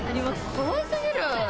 かわいすぎる。